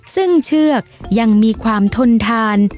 ซึ่งเชือกยังมีความทนทาน